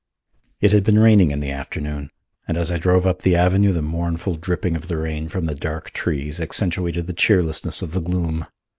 It had been raining in the afternoon, and as I drove up the avenue the mournful dripping of the rain from the dark trees accentuated the cheerlessness of the gloom.